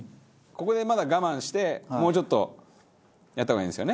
ここでまだ我慢してもうちょっとやった方がいいんですよね？